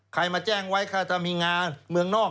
มาแจ้งไว้ค่ะถ้ามีงานเมืองนอก